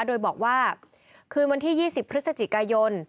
โดยบอกว่าคืนวันที่๒๐พฤศจิกายน